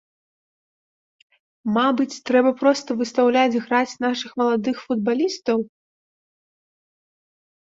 Мабыць, трэба проста выстаўляць граць нашых маладых футбалістаў?